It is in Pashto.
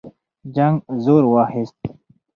جنګ زور واخیست.